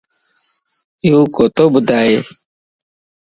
يو ڪوتو ٻڌئي